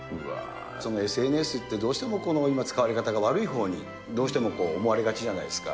そのＳＮＳってどうしても今、使われ方が悪いほうにどうしても思われがちじゃないですか。